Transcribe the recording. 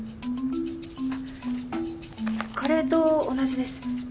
カレーと同じです。